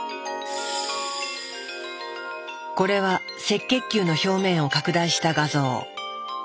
これは赤血球の表面を拡大した画像。